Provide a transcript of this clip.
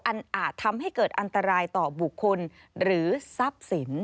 อาจทำให้เกิดอันตรายต่อบุคคลหรือทรัพย์สิน